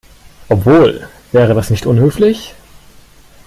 Obwohl, wäre das nicht unhöflich?